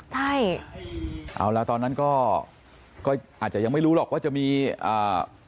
ใช่เอาแล้วตอนนั้นก็ก็อาจจะยังไม่รู้หรอกว่าจะมีอ่า